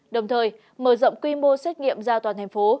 đồng thời mở rộng quy mô xét nghiệm ra toàn thành phố